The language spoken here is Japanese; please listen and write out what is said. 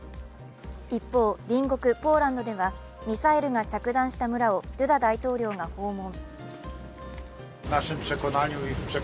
一方、隣国ポーランドではミサイルが着弾した村をドゥダ大統領が訪問。